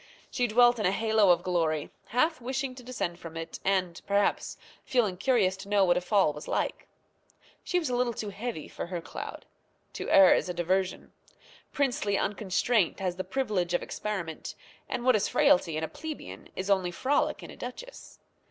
She dwelt in a halo of glory, half wishing to descend from it, and perhaps feeling curious to know what a fall was like. She was a little too heavy for her cloud. To err is a diversion. Princely unconstraint has the privilege of experiment, and what is frailty in a plebeian is only frolic in a duchess.